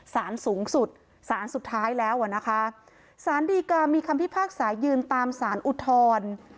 สารสูงสุดสารสุดท้ายแล้วอ่ะนะคะสารดีกามีคำพิพากษายืนตามสารอุทธร